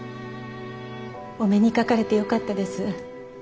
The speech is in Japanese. お目にかかれてよかったです。